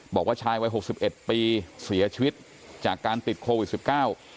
บอกว่าชายวัย๖๑ปีเสียชีวิตจากการติดโคล๑๙